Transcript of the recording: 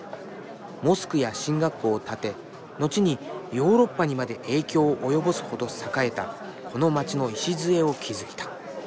モスクや神学校を建て後にヨーロッパにまで影響を及ぼすほど栄えたこの街の礎を築いた。